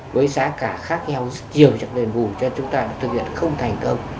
với giá cả khác nhau rất nhiều chẳng hạn